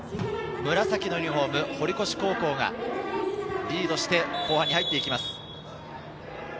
紫のユニホーム、堀越高校がリードして後半に入っていきます。